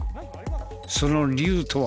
その理由とは。